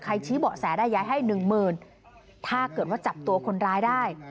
ใครชี้เบาะแสได้ยายให้๑๐๐๐๐ถ้าเกิดว่าจับตัวคนร้ายได้